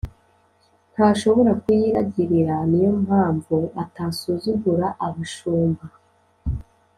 ntashobora kuyiragirira, ni yo mpamvu atasuzugura abashumba